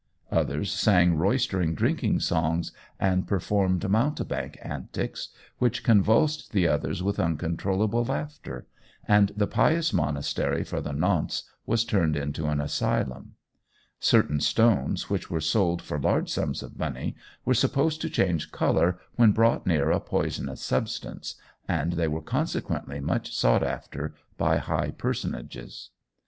Others sang roystering drinking songs and performed mountebank antics, which convulsed the others with uncontrollable laughter, and the pious monastery for the nonce was turned into an asylum. Certain stones which were sold for large sums of money were supposed to change colour when brought near a poisonous substance, and they were consequently much sought after by high personages.